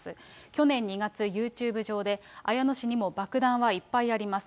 去年２月、ユーチューブ上で綾野氏にも爆弾はいっぱいあります。